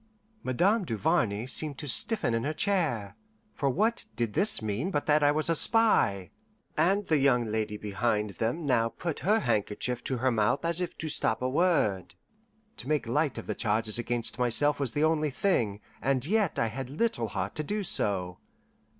Madame Duvarney seemed to stiffen in her chair, for what did this mean but that I was a spy? and the young lady behind them now put her handkerchief to her mouth as if to stop a word. To make light of the charges against myself was the only thing, and yet I had little heart to do so.